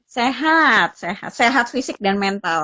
sehat sehat fisik dan mental